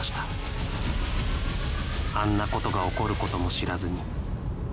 あんな事が起こる事も知らずに